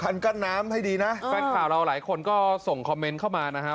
กั้นน้ำให้ดีนะแฟนข่าวเราหลายคนก็ส่งคอมเมนต์เข้ามานะฮะ